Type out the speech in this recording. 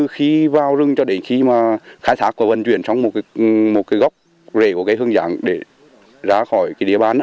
khai thác và vận chuyển trong một gốc rễ của hương ráng để ra khỏi địa bàn